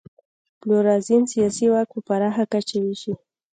پلورالېزم سیاسي واک په پراخه کچه وېشي.